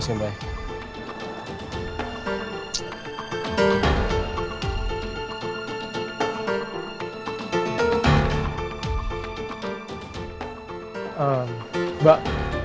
sama sekali gak liat mbak